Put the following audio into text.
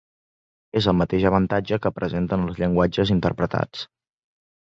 És el mateix avantatge que presenten els llenguatges interpretats.